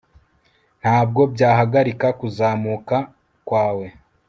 ntabwo byahagarika kuzamuka kwawe